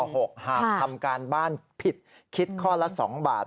หากทำการบ้านผิดคิดข้อละ๒บาท